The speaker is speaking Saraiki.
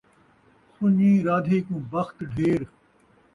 سن٘ڄیں رادھی کوں بخت ڈھیر